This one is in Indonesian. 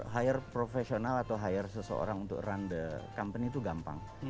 hire profesional atau hire seseorang untuk run the company itu gampang